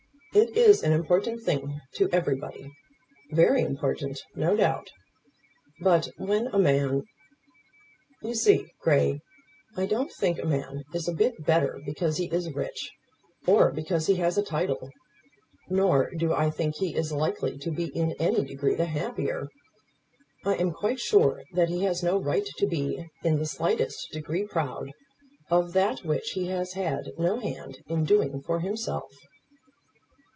It is an important thing to everybody; very important, no doubt. But, when a man . You see, Grey, I don't think a man is a bit better because he is rich, or because he has a title; nor do I think he is likely to be in any degree the happier. I am quite sure that he has no right to be in the slightest degree proud of that which he has had no hand in doing for himself."